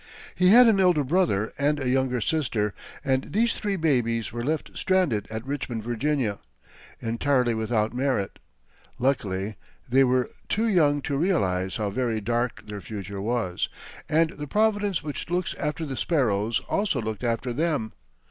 He had an elder brother and a younger sister, and these three babies were left stranded at Richmond, Virginia, entirely without money. Luckily they were too young to realize how very dark their future was, and the Providence which looks after the sparrows also looked after them.